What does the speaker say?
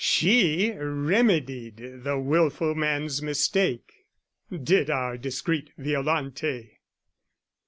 "She remedied the wilful man's mistake " Did our discreet Violante.